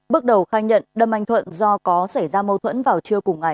bước đầu khai nhận đâm anh thuận do có xảy ra mâu thuẫn vào trưa cùng ngày